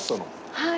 はい。